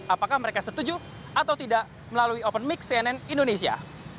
apakah mereka setuju atau tidak melalui open mix cnn indonesia